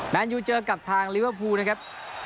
นั้นอยู่เจอกับทางลิเวอร์ฟูนะครับ